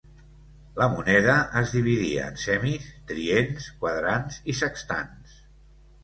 La moneda es dividia en semis, trients, quadrants i sextants.